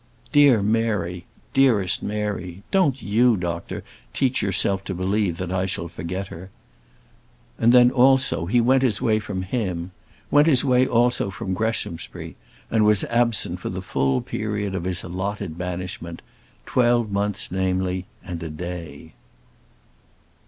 Dear Mary, dearest Mary! Don't you, doctor, teach yourself to believe that I shall forget her." And then also he went his way from him went his way also from Greshamsbury, and was absent for the full period of his allotted banishment twelve months, namely, and a day.